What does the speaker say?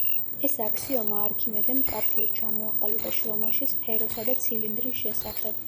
ეს აქსიომა არქიმედემ მკაფიოდ ჩამოაყალიბა შრომაში „სფეროსა და ცილინდრის შესახებ“.